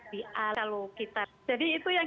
di a kalau kita jadi itu yang